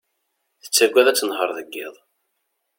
Tettaggad ad tenher deg yiḍ.